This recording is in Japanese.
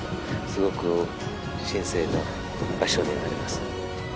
すごく神聖な場所になります